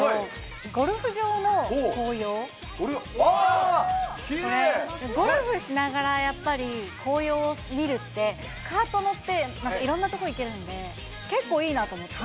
ゴルフしながらやっぱり紅葉を見るって、カート乗っていろんな所行けるんで、結構いいなと思って。